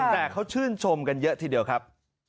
แต่เขาชื่นชมกันเยอะทีเดียวครับ